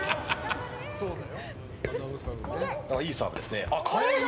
いいサーブですね。